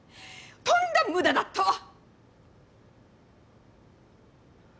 とんだ無駄だったわ！